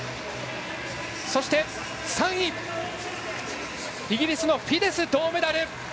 そして、３位、イギリスのフィデス。